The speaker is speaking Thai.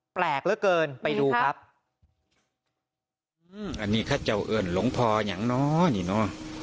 แปลกเหลือเกินไปดูครับอืมอันนี้ข้าเจ้าเอิ้นหลงพออย่างน้อยนี่เนอะ